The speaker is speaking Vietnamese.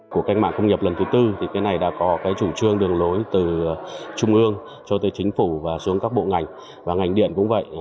của cách mạng công nghiệp lần thứ tư thì cái này đã có cái chủ trương đường lối từ trung ương cho tới chính phủ và xuống các bộ ngành và ngành điện cũng vậy